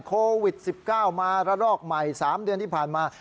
โควิด๑๙มาระลอกใหม่๓เดือนที่ผ่านมา